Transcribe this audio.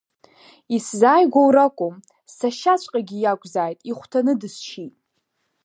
Исзааигәоу ракәым, сашьаҵәҟьагьы иакәзааит ихәҭаны дысшьит.